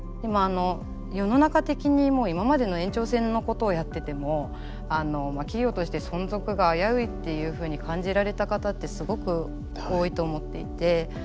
今あの世の中的にもう今までの延長線のことをやってても企業として存続が危ういっていうふうに感じられた方ってすごく多いと思っていて。